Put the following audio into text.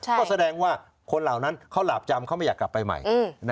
ก็แสดงว่าคนเหล่านั้นเขาหลาบจำเขาไม่อยากกลับไปใหม่